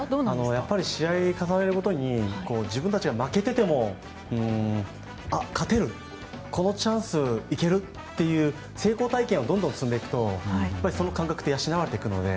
やっぱり試合を重ねるごとに自分たちが負けていてもあ、勝てるこのチャンス、いけるっていう成功体験をどんどん積んでいくとその感覚って養われていくので。